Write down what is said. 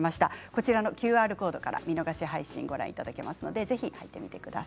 こちらのＱＲコードから見逃し配信をご覧いただけます。